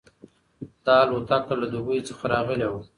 دا الوتکه له دوبۍ څخه راغلې وه.